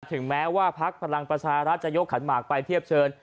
ถึงแม้ว่าพักพลังประชารัฐจะยกขันหมากไปเทียบเชิญ